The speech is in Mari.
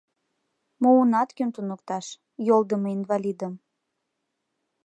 Муынат кӧм туныкташ — йолдымо инвалидым!